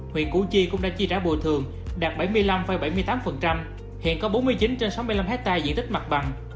huyện củ chi cũng đã chi trả bồi thường đạt bảy mươi năm bảy mươi tám hiện có bốn mươi chín trên sáu mươi năm hectare diện tích mặt bằng